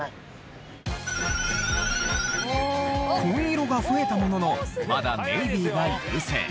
紺色が増えたもののまだネイビーが優勢。